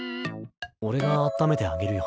俺があっためてあげるよ。